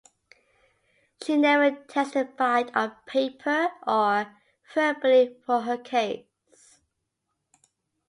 She never testified on paper or verbally for her case.